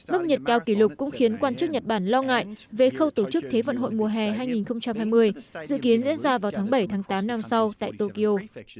mức nhiệt cao kỷ lục cũng khiến quan chức nhật bản lo ngại về khâu tổ chức thế vận hội mùa hè hai nghìn hai mươi dự kiến diễn ra vào tháng bảy tám năm sau tại tokyo